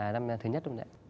năm thứ nhất đúng không ạ